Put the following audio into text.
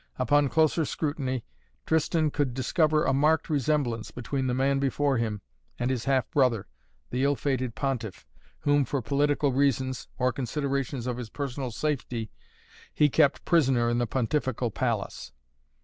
Upon closer scrutiny Tristan could discover a marked resemblance between the man before him and his half brother, the ill fated Pontiff, whom, for political reasons, or considerations of his personal safety, he kept prisoner in the pontifical palace.